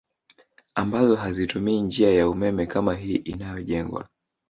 Ambazo hazitumii njia ya umeme kama hii inayojengwa